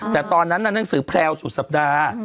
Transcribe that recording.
แต่ตอนนั้นน่ะหนังสือแพรวสุดสัปดาห์